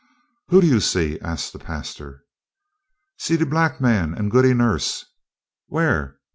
"Who do you see?" asked the pastor. "See de black man and Goody Nurse." "Where?"